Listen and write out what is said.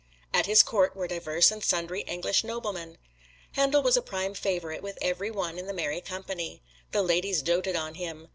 At his Court were divers and sundry English noblemen. Handel was a prime favorite with every one in the merry company. The ladies doted on him.